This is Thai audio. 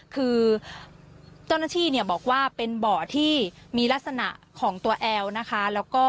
คือเจ้าหน้าที่เนี่ยบอกว่าเป็นบ่อที่มีลักษณะของตัวแอลนะคะ